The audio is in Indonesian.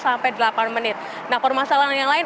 sampai delapan menit nah permasalahan yang lain